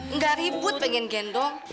enggak ribut pengen gendong